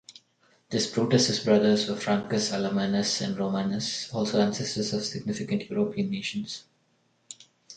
This Brutus's brothers were Francus, Alamanus and Romanus, also ancestors of significant European nations.